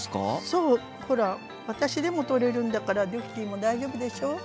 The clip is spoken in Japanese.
そうほら私でも取れるんだからドゥッキーも大丈夫でしょ？